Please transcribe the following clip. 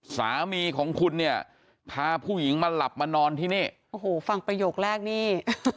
สามีของคุณเนี่ยพาผู้หญิงมาหลับมานอนที่นี่โอ้โหฟังประโยคแรกนี่